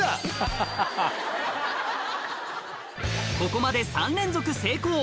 ここまで３連続成功